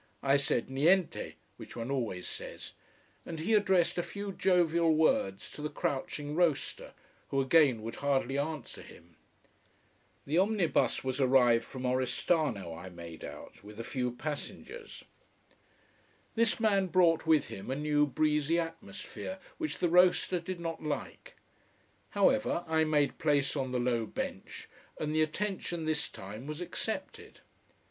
I said Niente, which one always says, and he addressed a few jovial words to the crouching roaster: who again would hardly answer him. The omnibus was arrived from Oristano, I made out with few passengers. This man brought with him a new breezy atmosphere, which the roaster did not like. However, I made place on the low bench, and the attention this time was accepted.